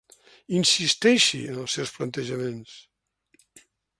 Insisteixi en els seus plantejaments.